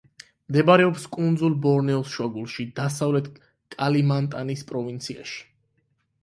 მდებარეობს კუნძლ ბორნეოს შუაგულში, დასავლეთ კალიმანტანის პროვინციაში.